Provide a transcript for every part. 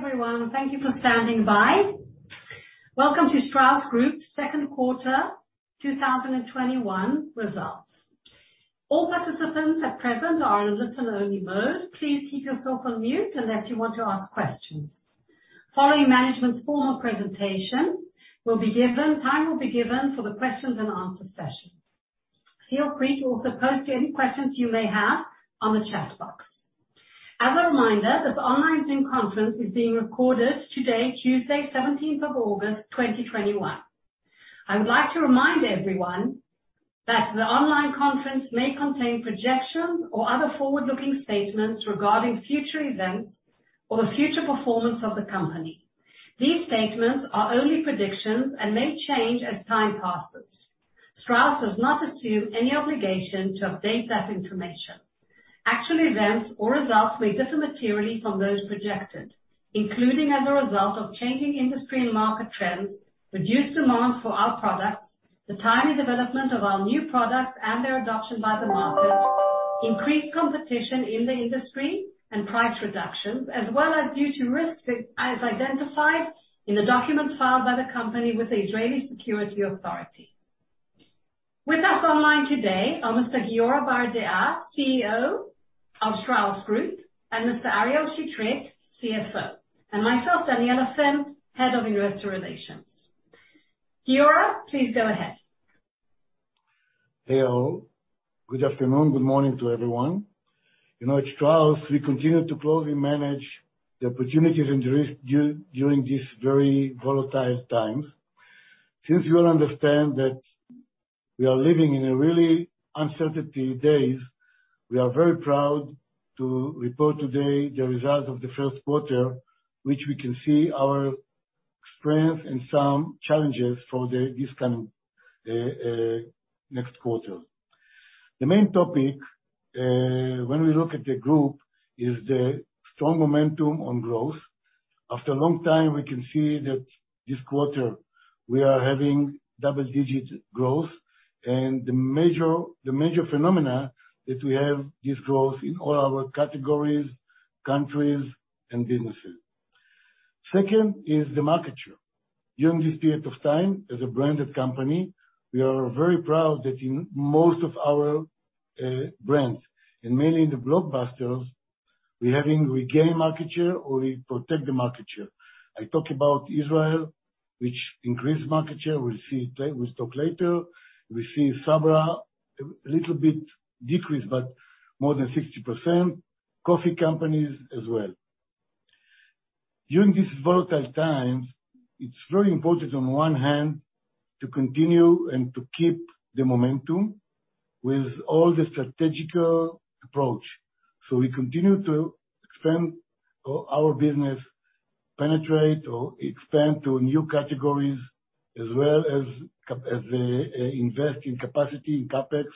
Hey everyone. Thank you for standing by. Welcome to Strauss Group's second quarter 2021 results. All participants at present are in listen-only mode. Please keep yourself on mute unless you want to ask questions. Following management's formal presentation, time will be given for the questions-and-answer session. Feel free to also post any questions you may have on the chat box. As a reminder, this online Zoom conference is being recorded today, Tuesday, 17th of August 2021. I would like to remind everyone that the online conference may contain projections or other forward-looking statements regarding future events or the future performance of the company. These statements are only predictions and may change as time passes. Strauss does not assume any obligation to update that information. Actual events or results may differ materially from those projected, including as a result of changing industry and market trends, reduced demand for our products, the timing development of our new products and their adoption by the market, increased competition in the industry and price reductions, as well as due to risks as identified in the documents filed by the company with the Israel Securities Authority. With us online today are Mr. Giora Bardea, CEO of Strauss Group, and Mr. Ariel Chetrit, CFO, and myself, Daniella Finn, Head of Investor Relations. Giora, please go ahead. Hey all. Good afternoon. Good morning to everyone. At Strauss, we continue to closely manage the opportunities and risks during these very volatile times. Since you all understand that we are living in a really uncertainty days, we are very proud to report today the results of the first quarter, which we can see our strengths and some challenges for these coming next quarters. The main topic, when we look at the group, is the strong momentum on growth. After a long time, we can see that this quarter we are having double-digit growth, and the major phenomena that we have this growth in all our categories, countries and businesses. Second is the market share. During this period of time, as a branded company, we are very proud that in most of our brands, and mainly in the blockbusters, we're having regained market share or we protect the market share. I talk about Israel, which increased market share. We'll talk later. We see Sabra, a little bit decrease, but more than 60%. Coffee companies as well. During these volatile times, it's very important, on one hand, to continue and to keep the momentum with all the strategical approach. We continue to expand our business, penetrate or expand to new categories as well as invest in capacity in CapEx.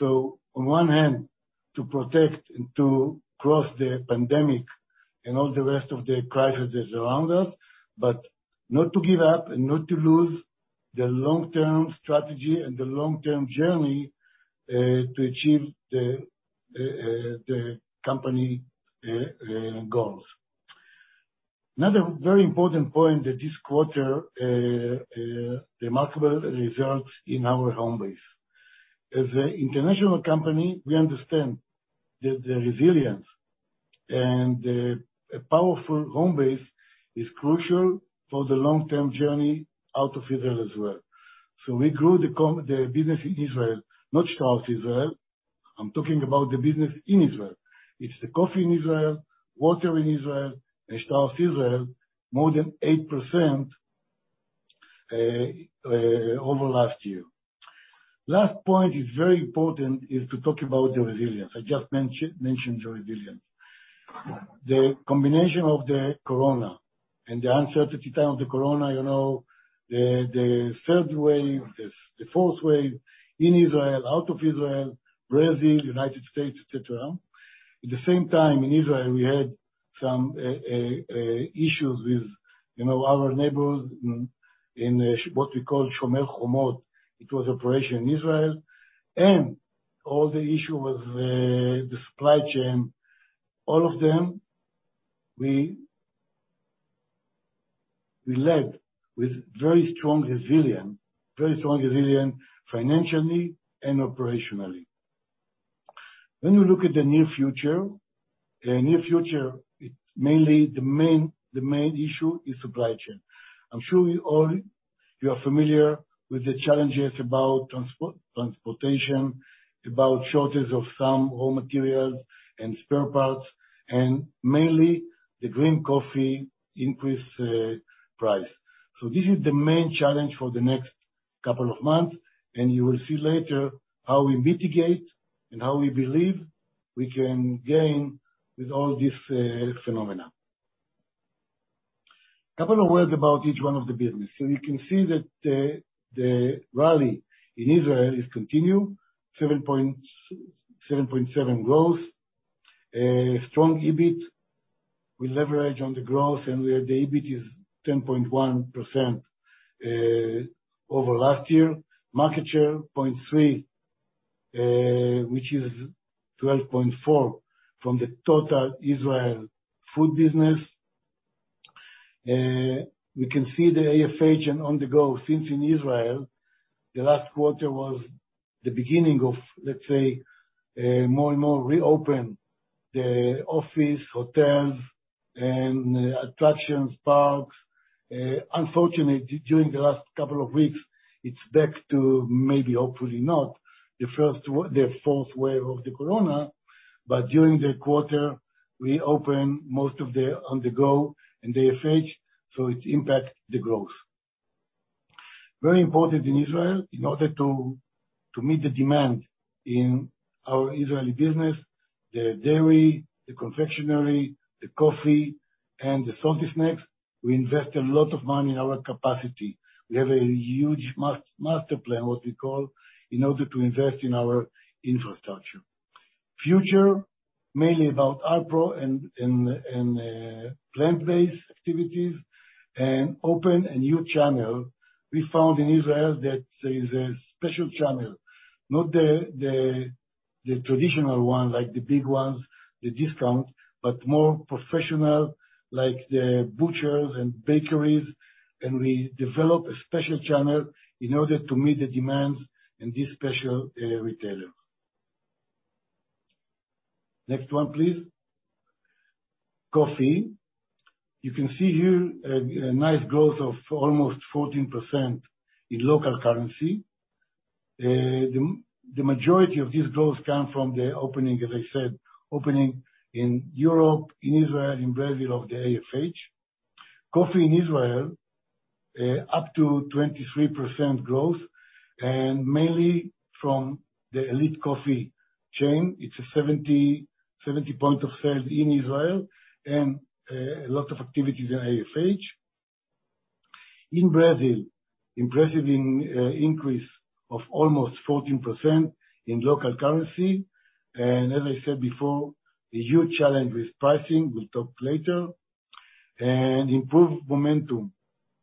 On one hand, to protect and to cross the pandemic and all the rest of the crises around us, but not to give up and not to lose the long-term strategy and the long-term journey, to achieve the company goals. Another very important point that this quarter, remarkable results in our home base. As an international company, we understand that the resilience and a powerful home base is crucial for the long-term journey out of Israel as well. We grew the business in Israel, not Strauss Israel. I'm talking about the business in Israel. It's the coffee in Israel, water in Israel, and Strauss Israel, more than 8% over last year. Last point is very important, is to talk about the resilience. I just mentioned the resilience. The combination of the corona and the uncertainty time of the corona, the third wave, the fourth wave in Israel, out of Israel, Brazil, United States, et cetera. At the same time, in Israel, we had some issues with our neighbors in what we call Shomer HaHomot. It was operation Israel, and all the issue with the supply chain, all of them, we led with very strong resilience financially and operationally. When you look at the near future, the main issue is supply chain. I'm sure you are familiar with the challenges about transportation, about shortage of some raw materials and spare parts, and mainly the green coffee increase price. This is the main challenge for the next couple of months, and you will see later how we mitigate and how we believe we can gain with all this phenomena. Couple of words about each one of the business. You can see that the rally in Israel is continue, 7.7% growth. Strong EBIT. We leverage on the growth, and the EBIT is 10.1% over last year. Market share, 0.3%, which is 12.4% from the total Israel food business. We can see the AFH and On the Go since in Israel, the last quarter was the beginning of, let's say, more and more reopen, the office, hotels, and attractions, parks. Unfortunately, during the last couple of weeks, it's back to maybe, hopefully not, the fourth wave of the corona. During the quarter, we open most of the On the Go and the AFH, so it impact the growth. Very important in Israel, in order to meet the demand in our Israeli business, the dairy, the confectionery, the coffee, and the salty snacks, we invest a lot of money in our capacity. We have a huge master plan, what we call, in order to invest in our infrastructure. Future, mainly about our Pro and plant-based activities, and open a new channel. We found in Israel that there is a special channel. Not the traditional one, like the big ones, the discount, but more professional, like the butchers and bakeries. We develop a special channel in order to meet the demands in these special retailers. Next one, please. Coffee. You can see here a nice growth of almost 14% in local currency. The majority of this growth come from the opening, as I said, opening in Europe, in Israel, in Brazil, of the AFH. Coffee in Israel, up to 23% growth, mainly from the Elite coffee chain. It's a 70 point of sales in Israel and a lot of activity in AFH. In Brazil, impressive increase of almost 14% in local currency. As I said before, a huge challenge with pricing, we'll talk later. Improved momentum.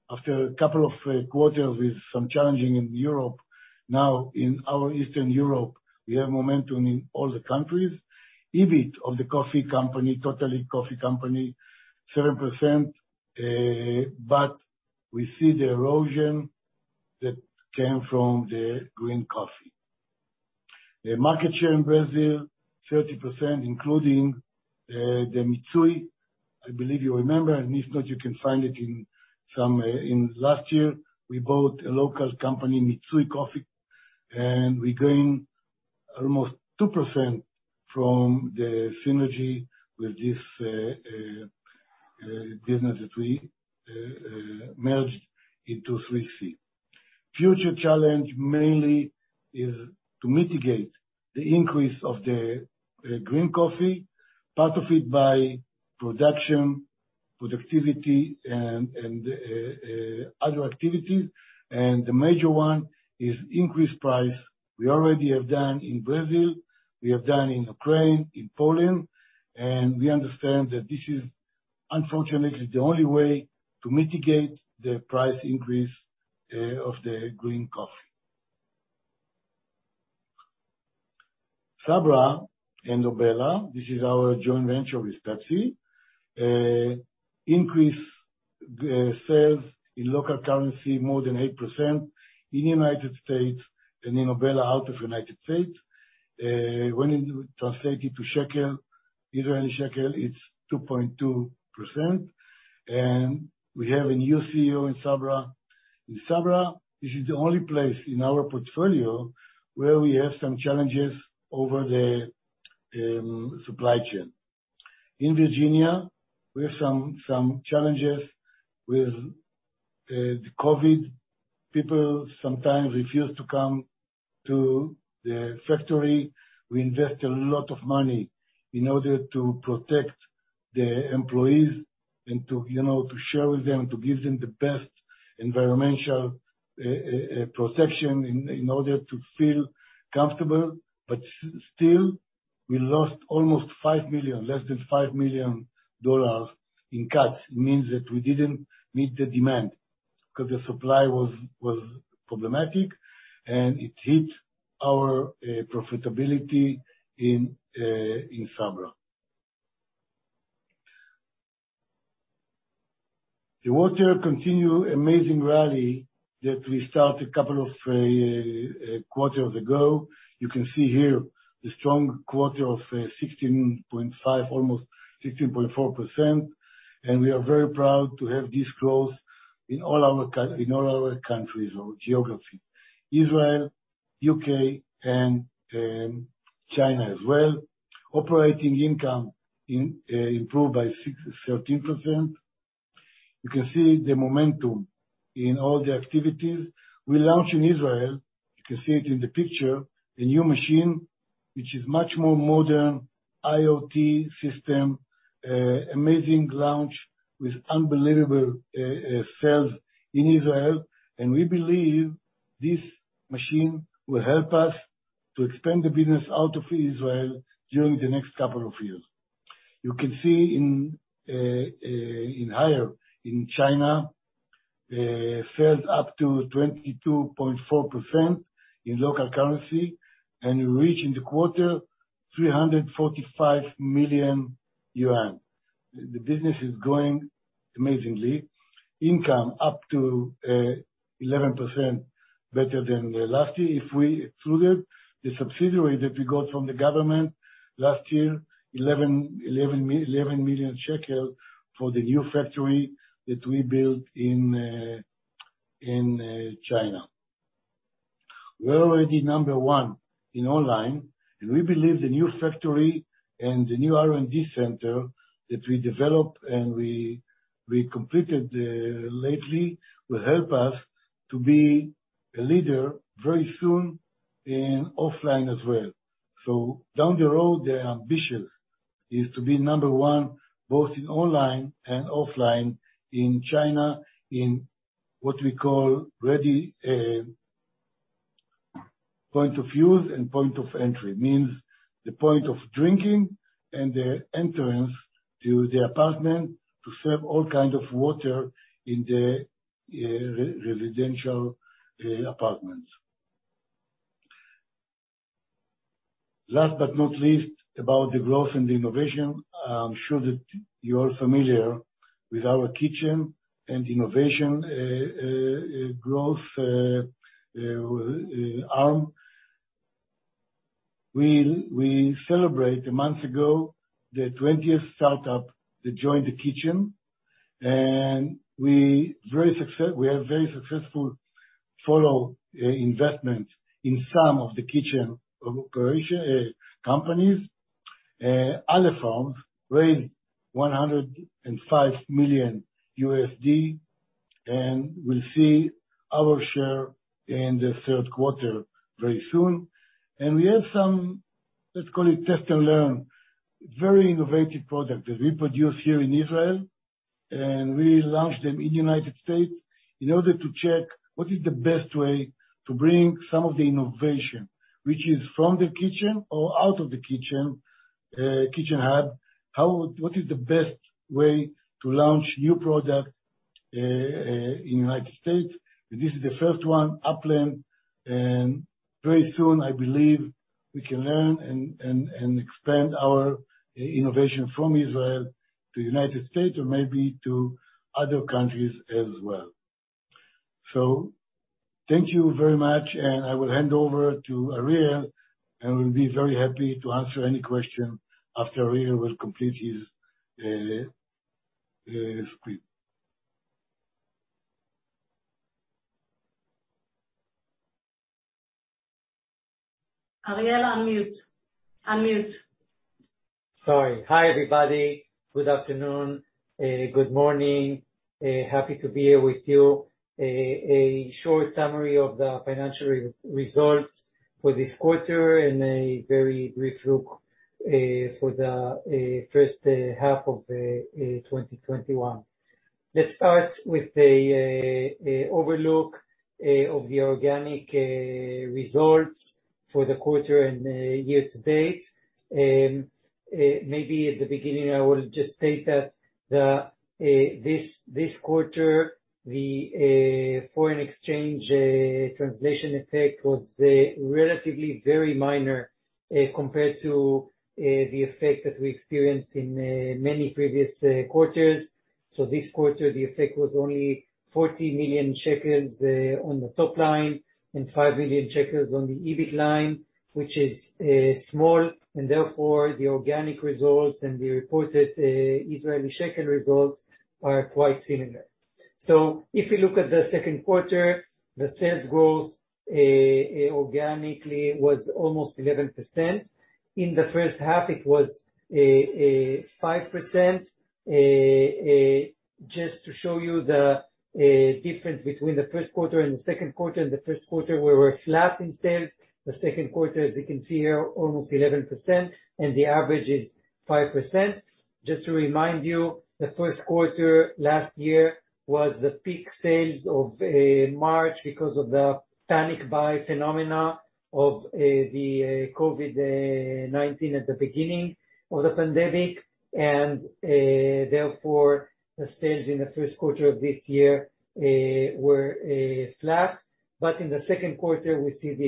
After a couple of quarters with some challenging in Europe, now in our Eastern Europe, we have momentum in all the countries. EBIT of the coffee company, total coffee company, 7%, we see the erosion that came from the green coffee. The market share in Brazil, 30%, including the Mitsui. I believe you remember, and if not, you can find it in last year, we bought a local company, Mitsui Coffee, and we gain almost 2% from the synergy with this business that we merged into Três Corações. Future challenge mainly is to mitigate the increase of the green coffee, part of it by production, productivity, and other activities. The major one is increased price. We already have done in Brazil, we have done in Ukraine, in Poland, and we understand that this is unfortunately the only way to mitigate the price increase of the green coffee. Sabra and Obela. This is our joint venture with Pepsi. Increase sales in local currency more than 8% in United States and in Obela out of United States. When translated to shekel, Israeli Shekel, it's 2.2%. We have a new CEO in Sabra. In Sabra, this is the only place in our portfolio where we have some challenges over the supply chain. In Virginia, we have some challenges with the COVID. People sometimes refuse to come to the factory. We invest a lot of money in order to protect the employees and to show them, to give them the best environmental protection in order to feel comfortable. Still, we lost almost $5 million, less than $5 million in cuts. It means that we didn't meet the demand because the supply was problematic, and it hit our profitability in Sabra. The water continue amazing rally that we start a couple of quarters ago. You can see here the strong quarter of 16.5%, almost 16.4%. We are very proud to have this growth in all our countries or geographies, Israel, U.K., and China as well. Operating income improved by 13%. You can see the momentum in all the activities. We launch in Israel, you can see it in the picture, a new machine, which is much more modern, IoT system, amazing launch with unbelievable sales in Israel. We believe this machine will help us to expand the business out of Israel during the next couple of years. You can see in Haier, in China sales up to 22.4% in local currency. We reach in the quarter 345 million yuan. The business is growing amazingly. Income up to 11% better than last year. If we exclude the subsidiary that we got from the government last year, 11 million shekels for the new factory that we built in China. We're already number one in online. We believe the new factory and the new R&D center that we developed and we completed lately, will help us to be a leader very soon in offline as well. Down the road, the ambition is to be number one, both in online and offline in China, in what we call ready point of use and point of entry. It means the point of drinking and the entrance to the apartment to serve all kinds of water in the residential apartments. Last but not least, about the growth and the innovation. I'm sure that you're familiar with our Kitchen and innovation growth arm. We celebrate a month ago, the 20th startup that joined The Kitchen, and we have very successful follow investments in some of The Kitchen companies. Aleph Farms raised $105 million. We'll see our share in the third quarter very soon. We have some, let's call it test and learn, very innovative product that we produce here in Israel, and we launch them in United States in order to check what is the best way to bring some of the innovation, which is from The Kitchen or out of The Kitchen hub, what is the best way to launch new product in United States. This is the first one, Upland, and very soon, I believe we can learn and expand our innovation from Israel to United States or maybe to other countries as well. Thank you very much, and I will hand over to Ariel, and will be very happy to answer any question after Ariel will complete his screen. Ariel, unmute. Unmute. Sorry. Hi, everybody. Good afternoon. Good morning. Happy to be here with you. A short summary of the financial results for this quarter and a very brief look for the first half of 2021. Let's start with the overlook of the organic results for the quarter and the year-to-date. Maybe at the beginning, I will just state that this quarter, the foreign exchange translation effect was relatively very minor compared to the effect that we experienced in many previous quarters. This quarter, the effect was only 40 million shekels on the top line and 5 million shekels on the EBIT line, which is small, and therefore, the organic results and the reported Israeli shekel results are quite similar. If we look at the second quarter, the sales growth organically was almost 11%. In the first half, it was 5%. Just to show you the difference between the first quarter and the second quarter. In the first quarter, we were flat in sales. The second quarter, as you can see here, almost 11%, and the average is 5%. Just to remind you, the first quarter last year was the peak sales of March because of the panic buy phenomena of the COVID-19 at the beginning of the pandemic. Therefore, the sales in the first quarter of this year were flat. In the second quarter, we see the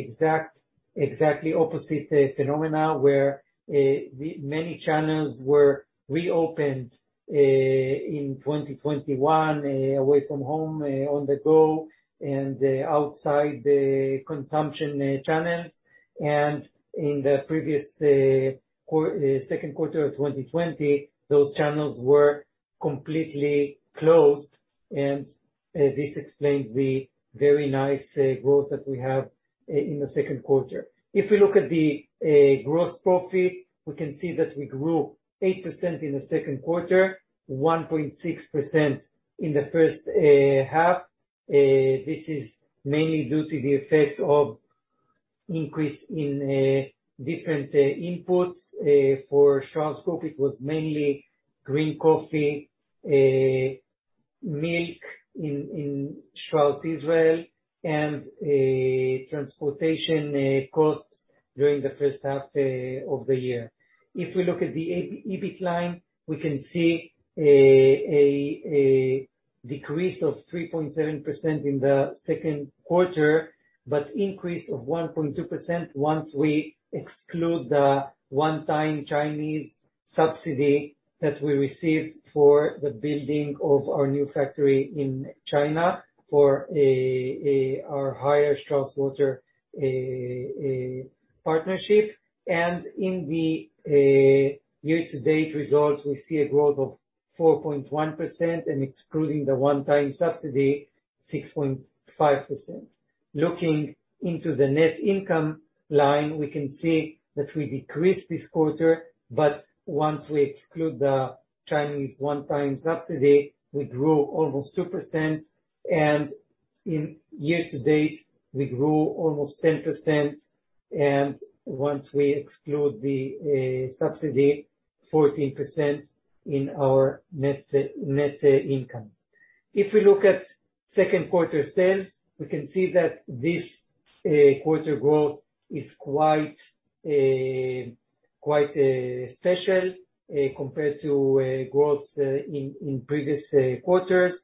exactly opposite phenomena, where many channels were reopened in 2021, away from home, On the Go, and outside the consumption channels. In the previous second quarter of 2020, those channels were completely closed, and this explains the very nice growth that we have in the second quarter. If we look at the gross profit, we can see that we grew 8% in the second quarter, 1.6% in the first half. This is mainly due to the effect of increase in different inputs. For Strauss Group, it was mainly green coffee, milk in Strauss Israel, and transportation costs during the first half of the year. If we look at the EBIT line, we can see a decrease of 3.7% in the second quarter, but increase of 1.2% once we exclude the one-time Chinese subsidy that we received for the building of our new factory in China for our Haier Strauss Water partnership. In the year-to-date results, we see a growth of 4.1%, and excluding the one-time subsidy, 6.5%. Looking into the net income line, we can see that we decreased this quarter, but once we exclude the Chinese one-time subsidy, we grew almost 2%, and in year-to-date, we grew almost 10%, and once we exclude the subsidy, 14% in our net income. If we look at second quarter sales, we can see that this quarter growth is quite special compared to growth in previous quarters.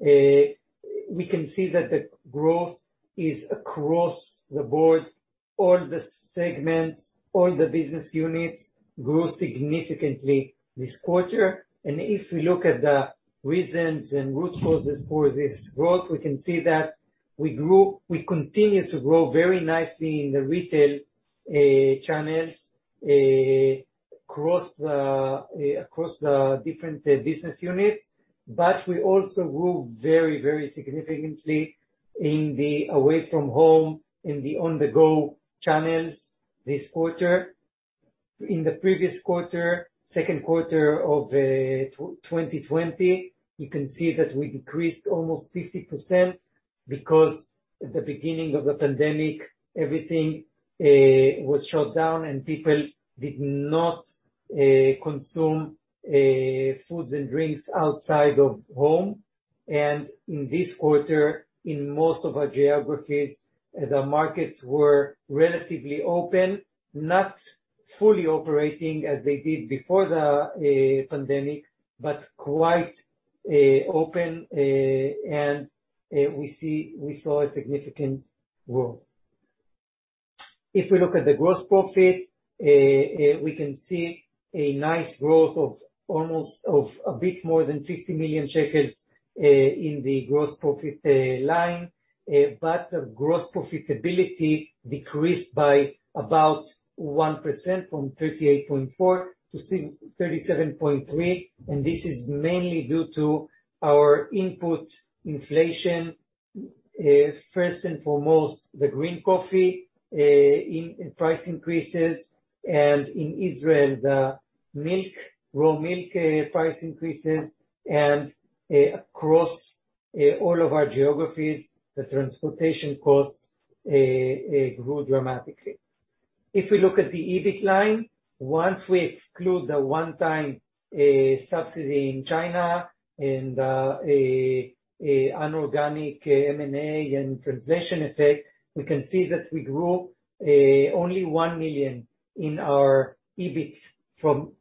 We can see that the growth is across the board. All the segments, all the business units grew significantly this quarter. If we look at the reasons and root causes for this growth, we can see that we continue to grow very nicely in the retail channels across the different business units, but we also grew very significantly in the away-from-home and the On the Go channels this quarter. In the previous quarter, second quarter of 2020, you can see that we decreased almost 50% because at the beginning of the pandemic, everything was shut down and people did not consume foods and drinks outside of home. In this quarter, in most of our geographies, the markets were relatively open, not fully operating as they did before the pandemic, but quite open, and we saw a significant growth. If we look at the gross profit, we can see a nice growth of a bit more than 50 million shekels in the gross profit line. The gross profitability decreased by about 1%, from 38.4% to 37.3%, and this is mainly due to our input inflation. First and foremost, the green coffee price increases, and in Israel, the raw milk price increases, and across all of our geographies, the transportation costs grew dramatically. If we look at the EBIT line, once we exclude the one-time subsidy in China and the inorganic M&A and translation effect, we can see that we grew only 1 million in our EBIT from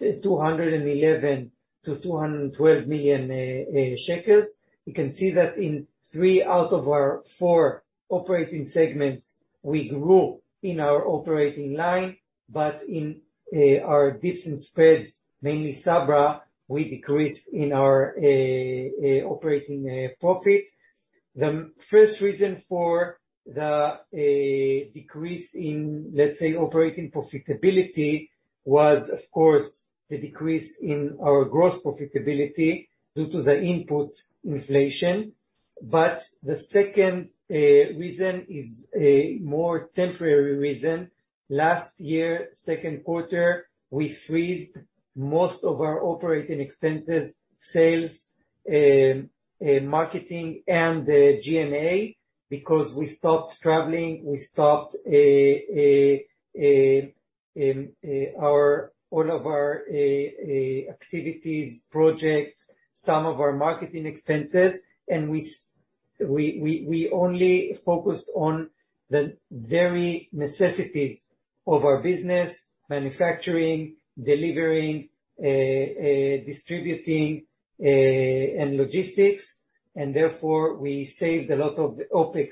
211 million to 212 million shekels. You can see that in three out of our four operating segments, we grew in our operating line. In our dips and spreads, mainly Sabra, we decreased in our operating profit. The first reason for the decrease in, let's say, operating profitability was, of course, the decrease in our gross profitability due to the input inflation. The second reason is a more temporary reason. Last year, second quarter, we freeze most of our operating expenses, sales, marketing, and the G&A because we stopped traveling, we stopped all of our activities, projects, some of our marketing expenses, and we only focused on the very necessities of our business, manufacturing, delivering, distributing, and logistics, and therefore, we saved a lot of the OpEx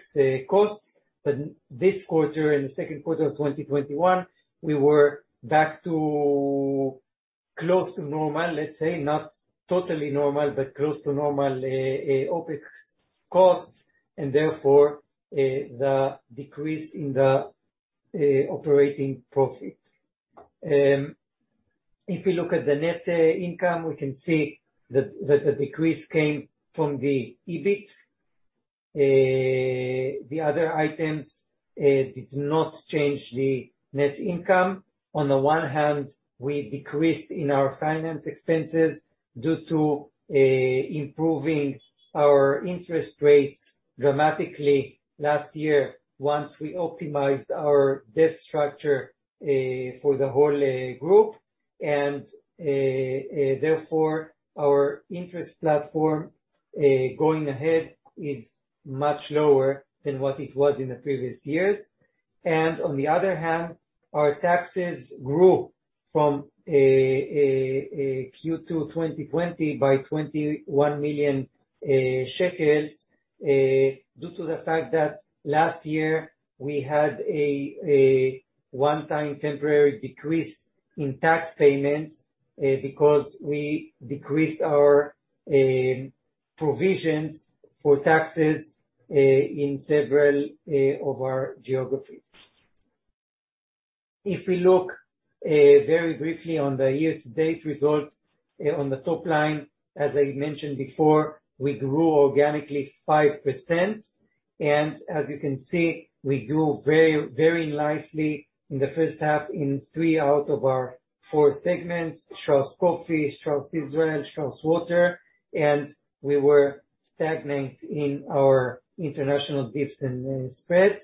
costs. This quarter, in the second quarter of 2021, we were back to close to normal, let's say, not totally normal, but close to normal OpEx costs, and therefore, the decrease in the operating profit. If we look at the net income, we can see that the decrease came from the EBIT. The other items did not change the net income. On the one hand, we decreased in our finance expenses due to improving our interest rates dramatically last year, once we optimized our debt structure for the whole group. Therefore, our interest platform going ahead is much lower than what it was in the previous years. On the other hand, our taxes grew from a Q2 2020 by 21 million shekels, due to the fact that last year we had a one-time temporary decrease in tax payments because we decreased our provisions for taxes in several of our geographies. If we look very briefly on the year-to-date results, on the top line, as I mentioned before, we grew organically 5%. As you can see, we grew very nicely in the first half in three out of our four segments, Strauss Coffee, Strauss Israel, Strauss Water, and we were stagnant in our international dips and spreads.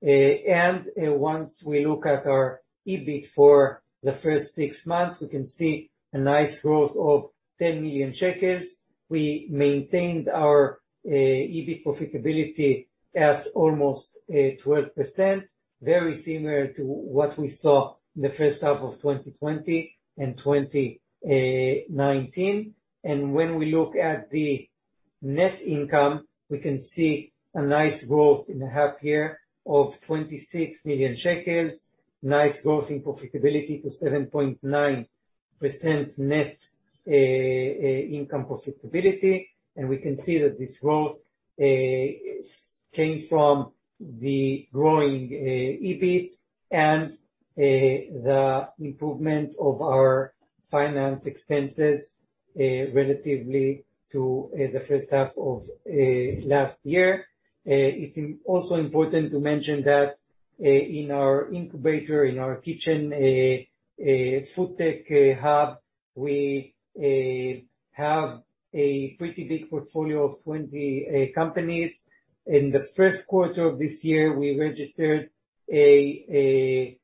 Once we look at our EBIT for the first six months, we can see a nice growth of 10 million shekels. We maintained our EBIT profitability at almost 12%, very similar to what we saw in the first half of 2020 and 2019. When we look at the net income, we can see a nice growth in the half year of 26 million shekels, nice growth in profitability to 7.9% net income profitability. We can see that this growth came from the growing EBIT and the improvement of our finance expenses, relatively to the first half of last year. It's also important to mention that in our incubator, in our Kitchen FoodTech Hub, we have a pretty big portfolio of 20 companies. In the first quarter of this year, we registered a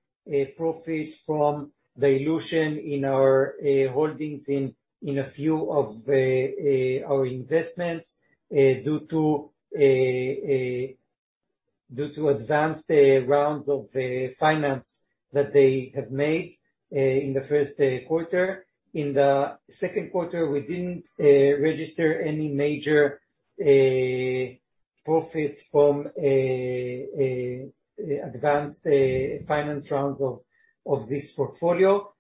profit from dilution in our holdings in a few of our investments, due to advanced rounds of finance that they have made in the first quarter. In the second quarter, we didn't register any major profits from advanced finance rounds of this portfolio.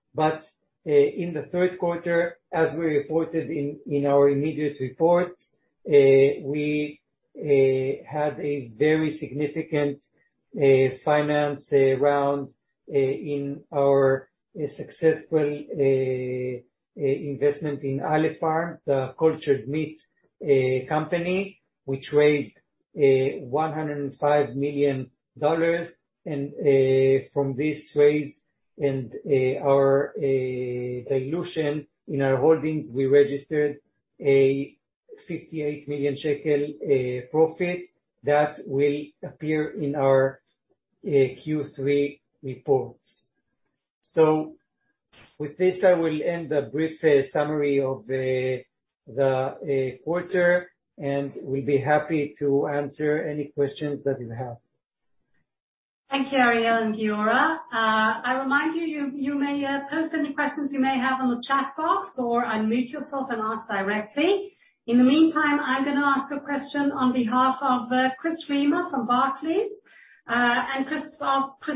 In the third quarter, as we reported in our immediate reports, we had a very significant finance round in our successful investment in Aleph Farms, the cultured meat company, which raised $105 million. From this raise and our dilution in our holdings, we registered an 58 million shekel profit, that will appear in our Q3 reports. With this, I will end the brief summary of the quarter, and we'll be happy to answer any questions that you have. Thank you, Ariel and Giora. I remind you may post any questions you may have on the chat box, or unmute yourself and ask directly. In the meantime, I'm going to ask a question on behalf of Chris Reimer from Barclays. Chris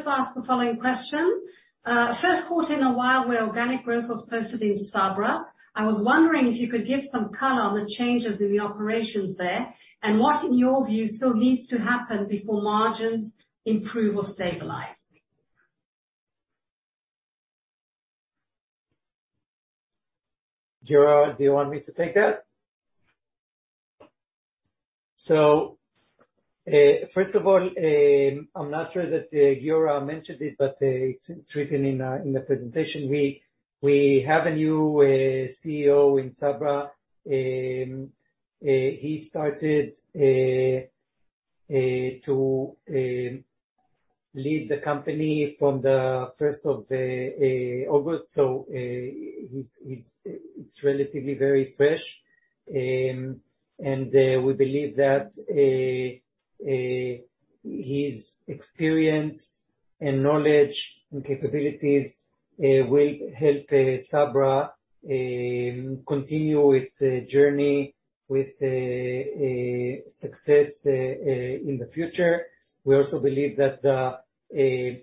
asks the following question, "First quarter in a while where organic growth was posted in Sabra. I was wondering if you could give some color on the changes in the operations there, and what, in your view, still needs to happen before margins improve or stabilize. Giora, do you want me to take that? First of all, I'm not sure that Giora mentioned it, but it's written in the presentation. We have a new CEO in Sabra. He started to lead the company from the 1st of August, so it's relatively very fresh. We believe that his experience and knowledge and capabilities will help Sabra continue its journey with success in the future. We also believe that the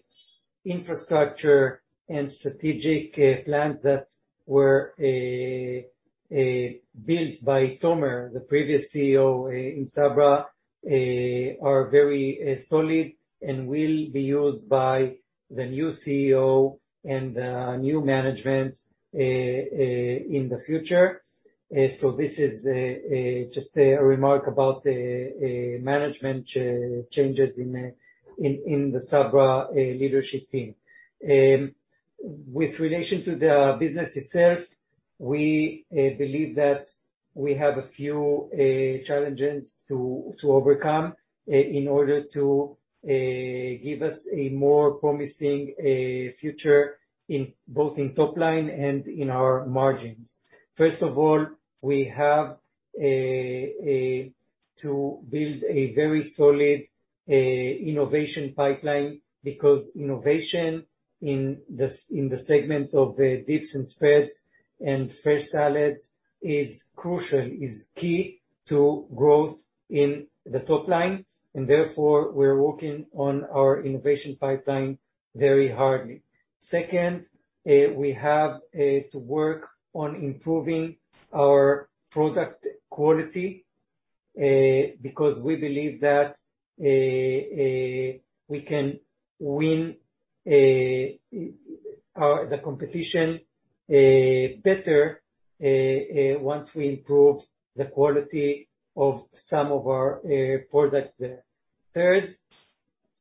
infrastructure and strategic plans that were built by Tomer, the previous CEO in Sabra, are very solid and will be used by the new CEO and the new management in the future. This is just a remark about management changes in the Sabra leadership team. With relation to the business itself. We believe that we have a few challenges to overcome in order to give us a more promising future, both in top line and in our margins. First of all, we have to build a very solid innovation pipeline, because innovation in the segments of dips and spreads and fresh salad is crucial, is key to growth in the top line. Therefore, we're working on our innovation pipeline very hardly. Second, we have to work on improving our product quality, because we believe that we can win the competition better, once we improve the quality of some of our products there. Third,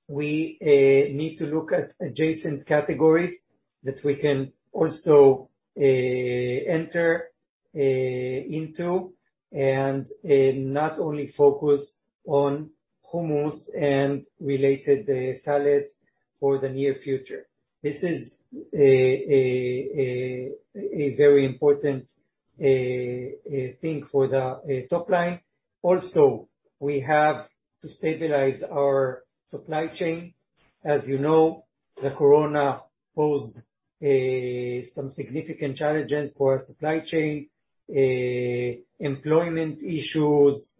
we need to look at adjacent categories that we can also enter into. Not only focus on hummus and related salads for the near future. This is a very important thing for the top line. Also, we have to stabilize our supply chain. As you know, the corona posed some significant challenges for our supply chain, employment issues,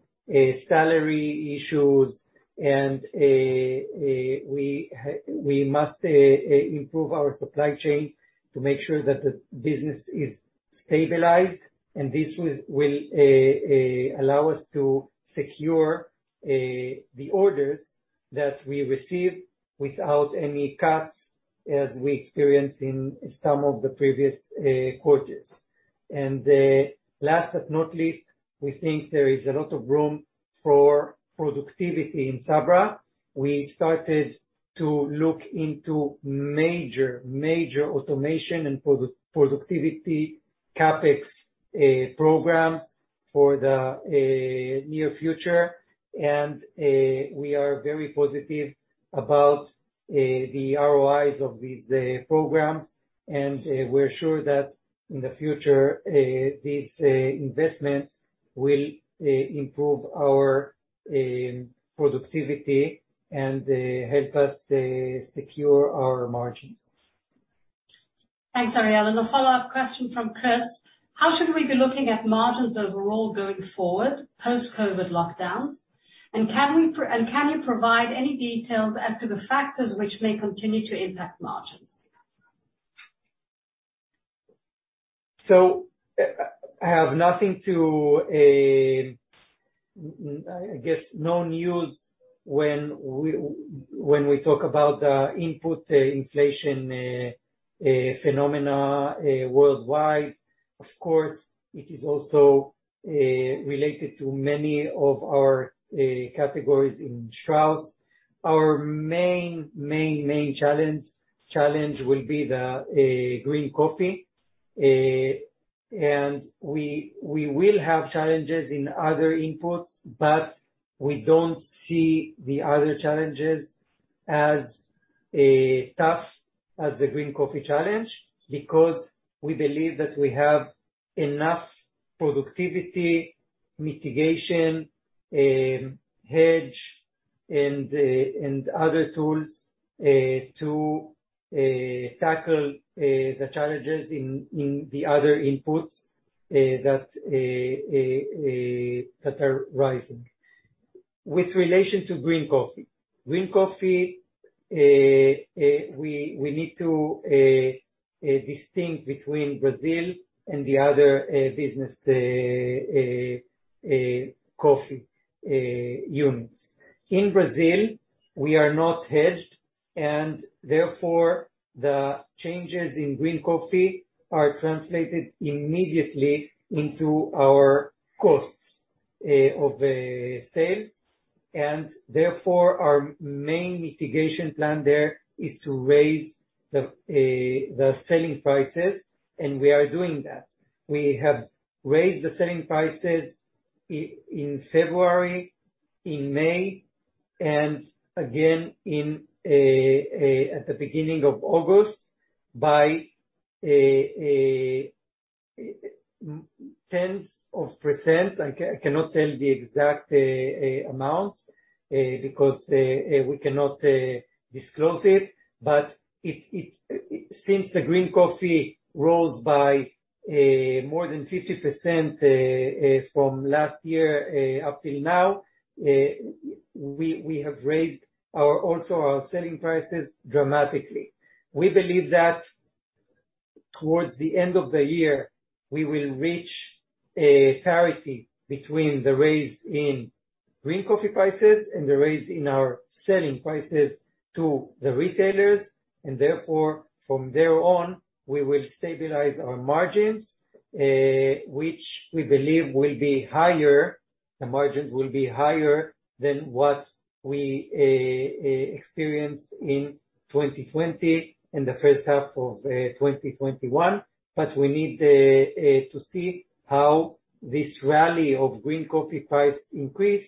salary issues, and we must improve our supply chain to make sure that the business is stabilized, and this will allow us to secure the orders that we receive without any cuts as we experienced in some of the previous quarters. Last but not least, we think there is a lot of room for productivity in Sabra. We started to look into major automation and productivity CapEx programs for the near future. We are very positive about the ROIs of these programs, and we're sure that in the future, this investment will improve our productivity and help us secure our margins. Thanks, Ariel. A follow-up question from Chris. How should we be looking at margins overall going forward, post-COVID lockdowns? Can you provide any details as to the factors which may continue to impact margins? I have nothing to I guess no news when we talk about the input inflation phenomena worldwide. Of course, it is also related to many of our categories in Strauss. Our main challenge will be the green coffee. We will have challenges in other inputs, but we don't see the other challenges as tough as the green coffee challenge, because we believe that we have enough productivity, mitigation, hedge, and other tools to tackle the challenges in the other inputs that are rising. With relation to green coffee, green coffee, we need to distinguish between Brazil and the other business coffee units. In Brazil, we are not hedged, and therefore, the changes in green coffee are translated immediately into our costs of sales. Therefore, our main mitigation plan there is to raise the selling prices, and we are doing that. We have raised the selling prices in February, in May, and again at the beginning of August by tens of percent. I cannot tell the exact amount, because we cannot disclose it. Since the green coffee rose by more than 50% from last year up till now, we have raised also our selling prices dramatically. We believe that towards the end of the year, we will reach parity between the raise in green coffee prices and the raise in our selling prices to the retailers. Therefore, from there on, we will stabilize our margins, which we believe will be higher, the margins will be higher than what we experienced in 2020 and the first half of 2021. We need to see how this rally of green coffee price increase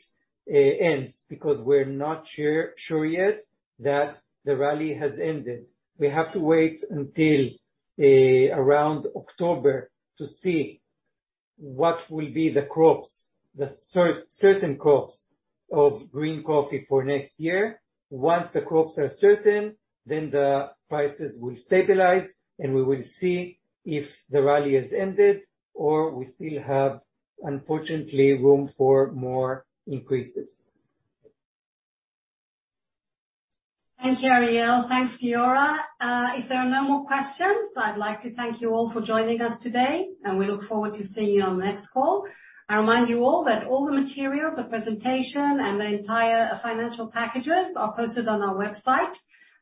ends, because we're not sure yet that the rally has ended. We have to wait until around October to see what will be the crops, the certain crops of green coffee for next year. Once the crops are certain, the prices will stabilize, and we will see if the rally has ended or we still have, unfortunately, room for more increases. Thank you, Ariel. Thanks, Giora. If there are no more questions, I'd like to thank you all for joining us today, and we look forward to seeing you on the next call. I remind you all that all the materials, the presentation, and the entire financial packages are posted on our website.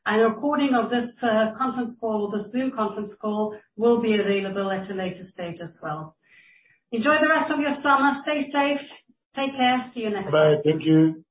A recording of this conference call or the Zoom conference call will be available at a later stage as well. Enjoy the rest of your summer. Stay safe. Take care. See you next time. Bye. Thank you.